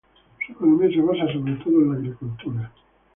Su economía se basa sobre todo en la agricultura.